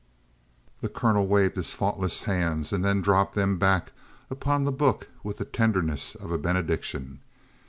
The colonel waved his faultless hands and then dropped them back upon the book with the tenderness of a benediction.